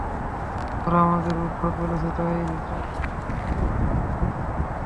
ওরা আমাদের উদ্ভট বলেছে, তাই চলো মাতলামো করি।